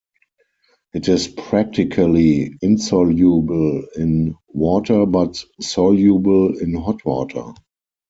It is practically insoluble in water but soluble in hot water.